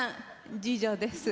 次女です。